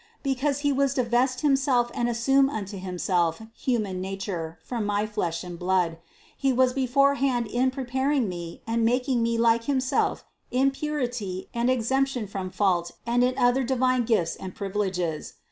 Because He was to vest Himself and assume unto Himself human nature from my flesh and blood, He was beforehand in preparing me and making me like Himself in purity and exemption from fault and in other divine gifts and privileges.